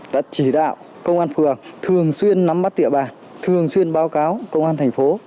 đã chỉ đạo công an phường thường xuyên nắm bắt địa bàn thường xuyên báo cáo công an thành phố